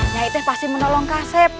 nyai pasti mau bantu kasep